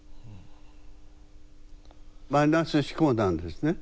マイナス思考なんですね。